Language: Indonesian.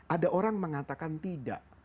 ada orang mengatakan tidak